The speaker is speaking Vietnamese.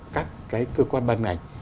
các cái cơ quan ban ngành